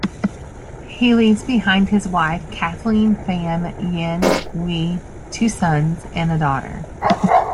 He leaves behind his wife Kathleen Fam Yin Oi, two sons and a daughter.